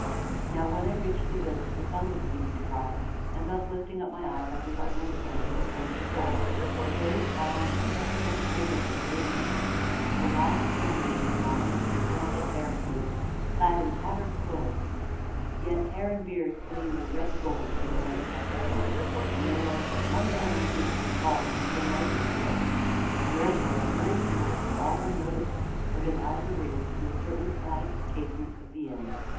Now, when I reached the village the sun was beginning to rise, and thus, lifting up my eyes, I beheld one standing before "The Bull," a very tall man, much bigger and greater than most; a wild figure in the dawn, with matted hair and beard, and clad in tattered clothes; yet hair and beard gleamed a red gold where the light touched them, and there was but one man I knew so tall and so mighty as this. Wherefore I hurried towards him, all unnoticed, for his eyes were raised to a certain latticed casement of the inn.